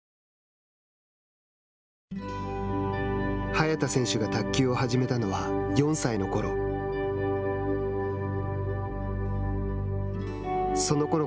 早田選手が卓球を始めたのは４歳のころ。